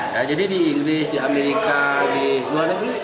nah jadi di inggris di amerika di luar negeri